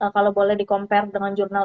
kalau boleh di compare dengan jurnal